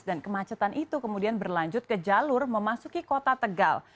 dan kemacetan itu kemudian berlanjut ke jalur memasuki kota tegal